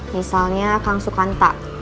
misalnya kang sukanta